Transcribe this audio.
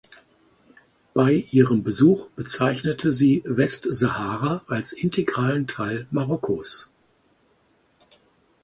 Bei ihrem Besuch bezeichnete sie Westsahara als "integralen Teil Marokkos".